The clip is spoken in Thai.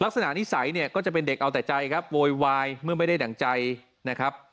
ลักษณะนิสัยเนี่ยก็จะเป็นเด็กเอาแต่ใจครับโวยวายเมื่อไม่ได้ดั่งใจนะครับ